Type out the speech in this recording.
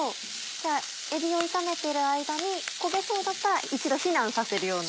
じゃあえびを炒めている間に焦げそうだったら一度避難させるような。